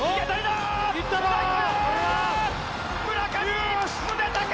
村上宗隆！